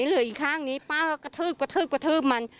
อยู่อีกข้างหนึ่งป้าก็กระทืบมัน